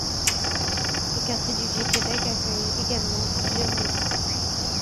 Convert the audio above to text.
Le quartier du Vieux-Québec accueille également plusieurs musées.